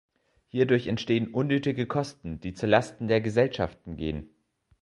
Hierdurch entstehen unnötige Kosten, die zu Lasten der Gesellschaften gehen.